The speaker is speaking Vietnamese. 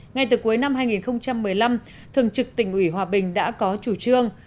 ngay từ cuối năm hai nghìn một mươi năm thường trực tỉnh ủy hòa bình đã có chủ trương